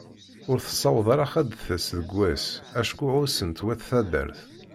Ur tessaweḍ ara ad d-tass deg wass acku ɛussen-tt wat taddart.